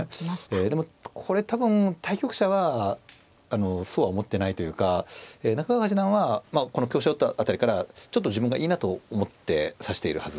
ええでもこれ多分対局者はそうは思ってないというか中川八段はまあこの香車を打った辺りからちょっと自分がいいなと思って指しているはず。